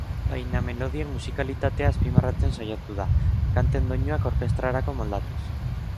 Baina melodien musikalitatea azpimarratzen saiatu da, kanten doinuak orkestrarako moldatuz.